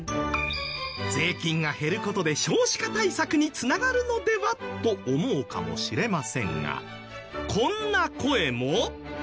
税金が減る事で少子化対策に繋がるのでは？と思うかもしれませんがこんな声も。